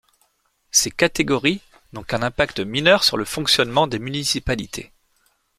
Ces catégories n'ont qu'un impact mineur sur le fonctionnement des municipalités.